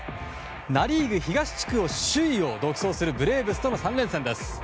ナ・リーグ東地区首位を独走するブレーブスとの３連戦です。